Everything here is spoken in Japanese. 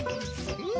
うん。